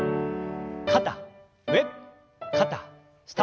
肩上肩下。